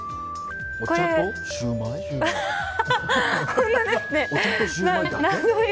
お茶とシューマイだけ？